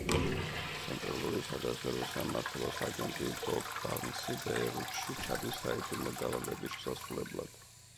ცენტრალური სადაზვერვო სამმართველოს აგენტი ბობ ბარნსი ბეირუთში ჩადის საიდუმლო დავალების შესასრულებლად.